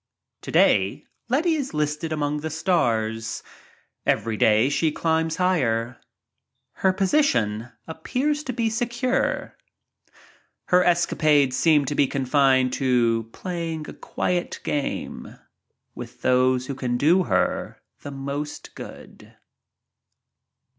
Today Letty is listed among the Stars, day she climbs higher. Her position appears to be secure. Her escapades seem to be confined to play ing" a quiet game with those who can do her the most good.